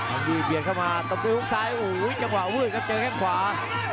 อังกฤษเบียดเข้ามาต้มปืนหุ้นซ้ายโอ้โหจังหวะวืดครับเจอแข้มขวา